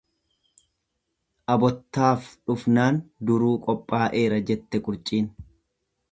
Abottaaf dhufnaan duruu qophaa'eera jette qurciin.